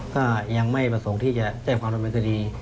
ก็ยังไม่ประสงค์ที่จะแจ้งความดำเนินคดี